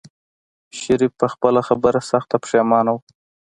شريف په خپله خبره سخت پښېمانه و.